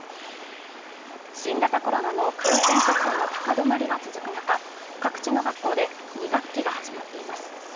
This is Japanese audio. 新型コロナの感染者数の高止まりが続く中、各地の学校で２学期が始まっています。